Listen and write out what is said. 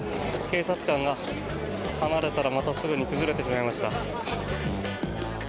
警察官が離れたらまたすぐに崩れてしまいました。